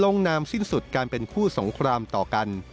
นามสิ้นสุดการเป็นคู่สงครามต่อกัน